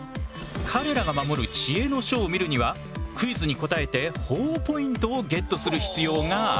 彼らが守る知恵の書を見るにはクイズに答えてほぉポイントをゲットする必要がある。